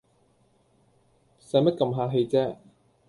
使乜咁客氣唧